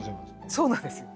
そうなんですよ。